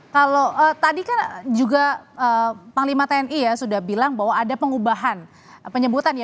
kalau tadi kan juga panglima tni ya sudah bilang bahwa ada pengubahan penyebutan ya